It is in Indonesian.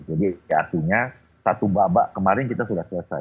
jadi artinya satu babak kemarin kita sudah selesai